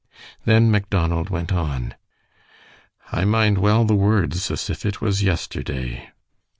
Then Macdonald went on. "I mind well the words, as if it was yesterday.